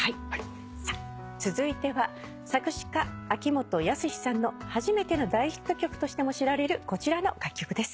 さあ続いては作詞家秋元康さんの初めての大ヒット曲としても知られるこちらの楽曲です。